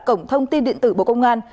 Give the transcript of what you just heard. cổng thông tin điện tử bộ công an